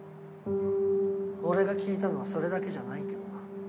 俺が聞いたのはそれだけじゃないけどな。